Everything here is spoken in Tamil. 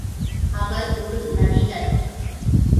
அவர் ஒரு நடிகர்.